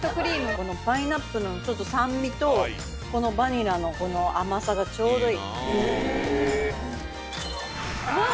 このパイナップルの酸味と、このバニラのこの甘さがちょうどいい。